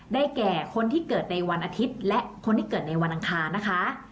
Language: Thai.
แก่คนที่เกิดในวันอาทิตย์และคนที่เกิดในวันอังคารนะคะ